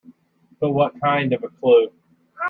But what kind of a clue?